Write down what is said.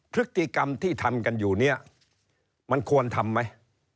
พฤติกรรมที่ทำกันอยู่เนี่ยมันควรทำไหม